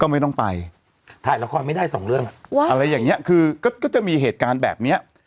ไม่ต้องไปถ่ายละครไม่ได้สองเรื่องอะไรอย่างเงี้ยคือก็จะมีเหตุการณ์แบบเนี้ย